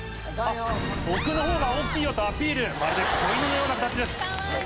「僕のほうが大きいよ」とアピールまるで子犬のような形です。